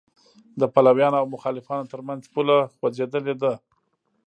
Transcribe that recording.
د پلویانو او مخالفانو تر منځ پوله خوځېدلې ده.